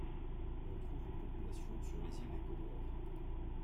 On trouve une population sur les îles des Comores.